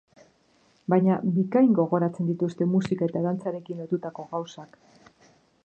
Baina, bikain gogoratzen dituzte musika eta dantzarekin lotutako gauzak.